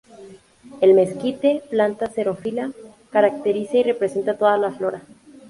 El mezquite, planta xerófila, caracteriza y representa toda la flora.